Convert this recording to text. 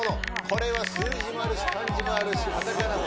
これは数字もあるし漢字もあるし片仮名も。